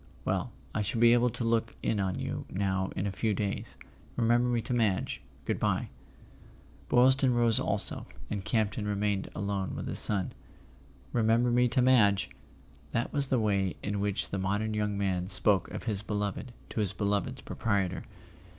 Well, I shall be able to look in on you now in a few days. Remember me to Madge. Good bye." Boylston rose also, and Campton remained alone with his son. "Remember me to Madge!" That was the way in Tvhich the modern young man spoke of his beloved to his beloved's proprietor.